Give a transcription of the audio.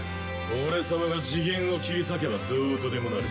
俺様が次元を切り裂けばどうとでもなる。